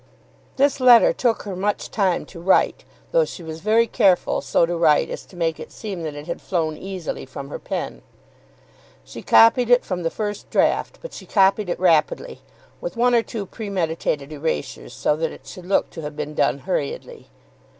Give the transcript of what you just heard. This letter took her much time to write, though she was very careful so to write as to make it seem that it had flown easily from her pen. She copied it from the first draught, but she copied it rapidly, with one or two premeditated erasures, so that it should look to have been done hurriedly.